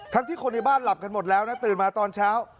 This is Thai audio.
ที่คนในบ้านหลับกันหมดแล้วนะตื่นมาตอนเช้า